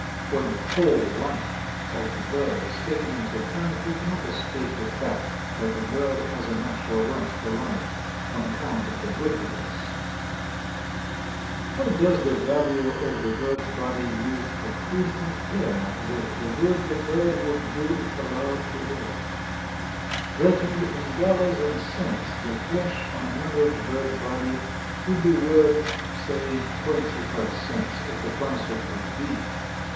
When the whole life of the bird is taken into account we cannot escape the fact that the bird has a natural right to life on account of the good he does. [Illustration: WILSON'S THRUSH. 2/3 Life size. COPYRIGHT 1900, BY A. W. MUMFORD, CHICAGO.] How does the value of the bird's body used for food compare with the good the bird would do if allowed to live? Reckoned in dollars and cents the flesh on an average bird's body would be worth, say twenty five cents at the price of good beef.